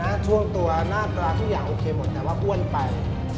หน้าตัวหน้าตราที่อยากโอเคหมดแต่ว่าอ้วนไป